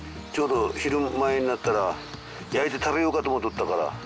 ちょうど昼前になったら焼いて食べようかと思っとったから。